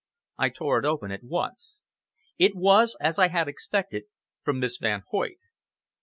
I tore it open at once. It was, as I bad expected, from Miss Van Hoyt.